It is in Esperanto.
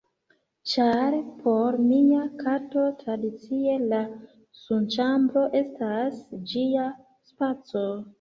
ĉar por mia kato tradicie la sunĉambro estas ĝia spaco.